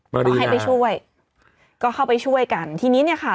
บอกให้ไปช่วยก็เข้าไปช่วยกันทีนี้เนี่ยค่ะ